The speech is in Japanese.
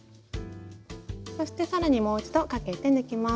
そして更にもう一度かけて抜きます。